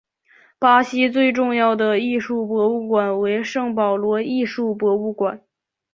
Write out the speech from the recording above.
巴西最重要的艺术博物馆为圣保罗艺术博物馆。